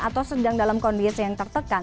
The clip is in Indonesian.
atau sedang dalam kondisi yang tertekan